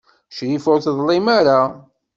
Crifa ur teḍlim ara.